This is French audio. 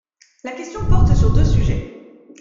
La question porte sur deux sujets.